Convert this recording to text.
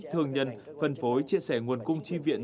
thương nhân phân phối chia sẻ nguồn cung chi viện